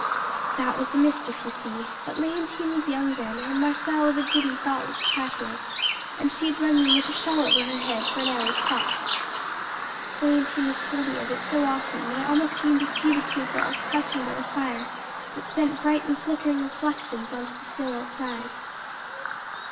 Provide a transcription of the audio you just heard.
"That was the mischief, you see; but Léontine was young then, and Marcelle was a giddy, thoughtless chatterer, and she had run in with her shawl over her head for an hour's talk. Léontine has told me of it so often that I almost seem to see the two girls crouching by the fire that sent bright and flickering reflections on to the snow outside.